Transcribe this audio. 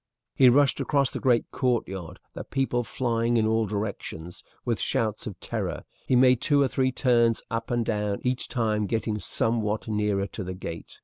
He rushed across the great courtyard, the people flying in all directions with shouts of terror; he made two or three turns up and down, each time getting somewhat nearer to the gate.